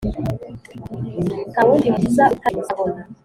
nta wundi mukiza utari jye muzabona